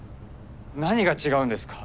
何が違うんですか？